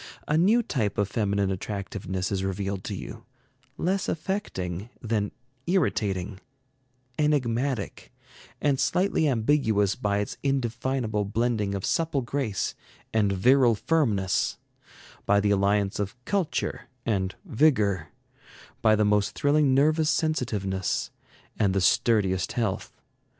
A new type of feminine attractiveness is revealed to you, less affecting than irritating, enigmatic and slightly ambiguous by its indefinable blending of supple grace and virile firmness, by the alliance of culture and vigor, by the most thrilling nervous sensitiveness and the sturdiest health.